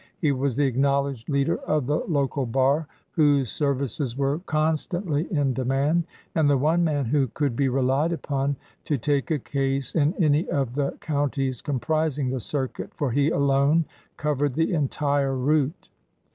He was the acknowledged leader of the local bar, whose services were con stantly in demand, and the one man who could be relied upon to take a case in any of the coun ties comprising the circuit, for he alone covered the entire route.